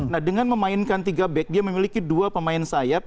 nah dengan memainkan tiga back dia memiliki dua pemain sayap